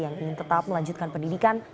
yang ingin tetap melanjutkan pendidikan